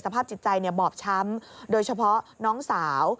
ภาพจิตใจบอบช้ำโดยเฉพาะน้องสาว